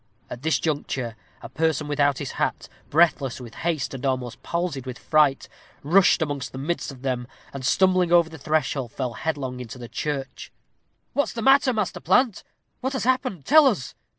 At this juncture, a person without his hat, breathless with haste and almost palsied with fright, rushed through the midst of them and, stumbling over the threshold, fell headlong into the church. "What's the matter, Master Plant? What has happened? Tell us!